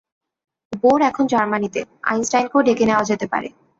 Bore এখন জার্মানিতে, আইনস্টাইনকেও ডেকে নেওয়া যেতে পারে।